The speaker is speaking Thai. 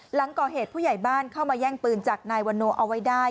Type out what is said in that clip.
หลังก่อเหตุผู้ใหญ่บ้านเข้ามาแย่งปืนจากนายวันโนเอาไว้ได้